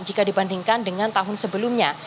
mungkin bisa dikira dengan tahun sebelumnya